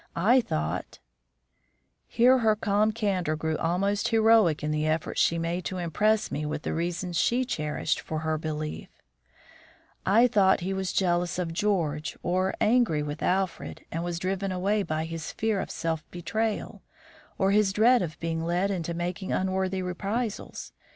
I thought " Here her calm candour grew almost heroic in the effort she made to impress me with the reasons she cherished for her belief, "I thought he was jealous of George or angry with Alfred, and was driven away by his fears of self betrayal or his dread of being led into making unworthy reprisals.